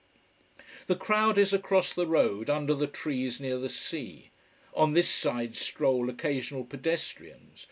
The crowd is across the road, under the trees near the sea. On this side stroll occasional pedestrians.